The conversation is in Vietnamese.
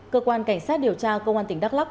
cơ quan cảnh sát điều tra công an tỉnh đắk lắc